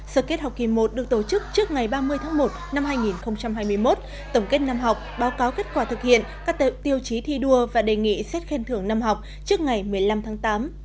sở kết học kỳ một được tổ chức trước ngày ba mươi tháng một năm hai nghìn hai mươi một tổng kết năm học báo cáo kết quả thực hiện các tiêu chí thi đua và đề nghị xét khen thưởng năm học trước ngày một mươi năm tháng tám